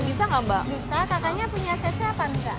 bisa kakaknya punya asetnya apa enggak